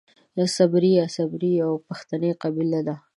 صبري يا سبري يوۀ پښتني قبيله ده.